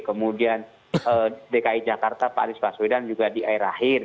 kemudian dki jakarta pak anies baswedan juga di akhir akhir